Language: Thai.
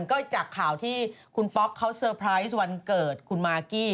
ก็จากข่าวที่คุณป๊อกเขาเซอร์ไพรส์วันเกิดคุณมากกี้